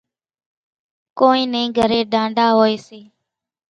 ڪونئين نين گھرين ڍانڍا هوئيَ سي۔